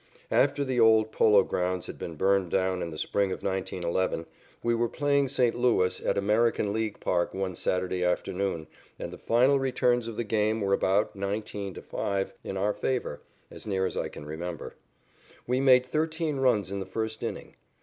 After the old Polo Grounds had been burned down in the spring of 1911, we were playing St. Louis at American League Park one Saturday afternoon, and the final returns of the game were about 19 to 5 in our favor, as near as I can remember. We made thirteen runs in the first inning.